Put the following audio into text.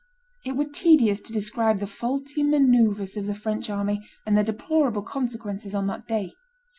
It were tedious to describe the faulty manoeuvres of the French army and their deplorable consequences on that day.